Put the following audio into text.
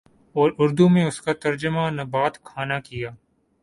اور اردو میں اس کا ترجمہ نبات خانہ کیا